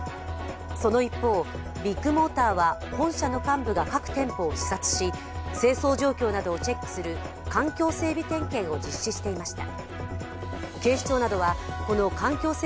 その一方、ビッグモーターは本社の幹部が各店舗を視察し清掃状況などをチェックする環境整備点検を実施していました。